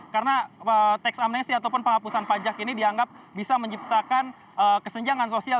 karena teks amnesti ataupun penghapusan pajak ini dianggap bisa menciptakan kesenjangan sosial